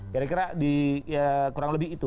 kira kira di ya kurang lebih itu